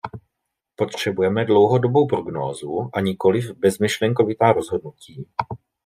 Potřebujeme dlouhodobou prognózu, a nikoliv bezmyšlenkovitá rozhodnutí.